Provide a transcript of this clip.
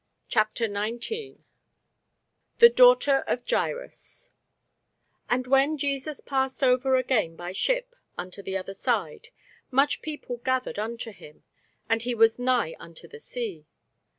CHAPTER 19 THE DAUGHTER OF JAIRUS AND when Jesus was passed over again by ship unto the other side, much people gathered unto him: and he was nigh unto the sea.